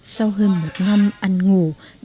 sau hơn một năm ăn ngủ